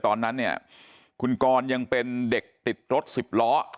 ตอนนั้นเนี่ยคุณกรยังเป็นเด็กติดรถสิบล้อ